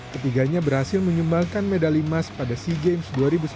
ketiganya berhasil menyumbangkan medali emas pada sea games dua ribu sembilan belas